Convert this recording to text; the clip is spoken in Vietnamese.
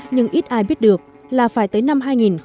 nhưng ít ai biết được là phải tới năm hai nghìn một mươi ba